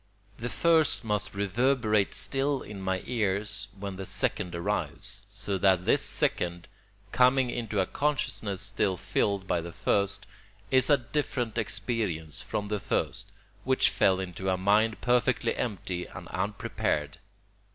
The first must reverberate still in my ears when the second arrives, so that this second, coming into a consciousness still filled by the first, is a different experience from the first, which fell into a mind perfectly empty and unprepared.